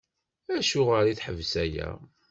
Acuɣer i teḥbes aya?